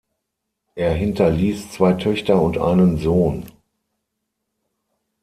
Er hinterließ zwei Töchter und einen Sohn.